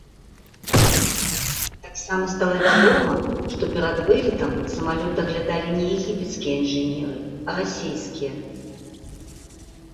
Таксама стала вядома, што перад вылетам самалёт даглядалі не егіпецкія інжынеры, а расейскія.